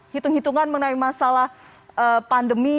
hitung hitungan mengenai masalah pandemi